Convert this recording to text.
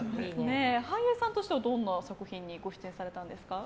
俳優さんとしてはどんな作品にご出演されたんですか？